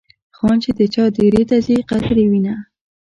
خان چې د چا دیرې ته ځي قدر یې وینه.